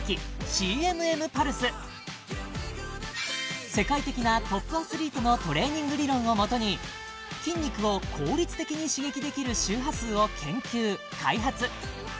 ＣＭＭパルス世界的なトップアスリートのトレーニング理論をもとに筋肉を効率的に刺激できる周波数を研究開発